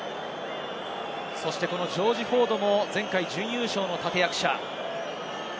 そしてジョージ・フォードも前回準優勝の立役者。